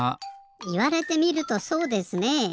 いわれてみるとそうですねえ。